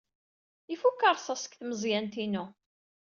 Ifuk rrṣaṣ deg tmeẓyant-inu.